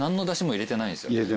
入れてないです。